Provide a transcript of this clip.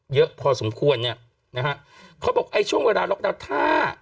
เยอะพอสมควรเนี่ยนะฮะเขาบอกไอ้ช่วงเวลาล็อกดาวน์ถ้า